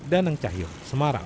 danang cahyuk semarang